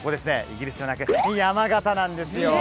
イギリスではなく山形なんですよ